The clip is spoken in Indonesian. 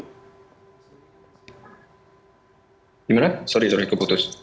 bagaimana sorry sorry keputus